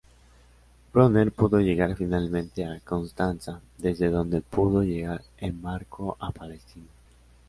Bronner pudo llegar finalmente a Constanza, desde donde pudo llegar en barco a Palestina.